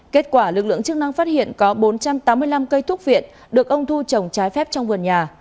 kết quả lực lượng chức năng phát hiện có bốn trăm tám mươi năm cây thuốc viện được ông thu trồng trái phép trong vườn nhà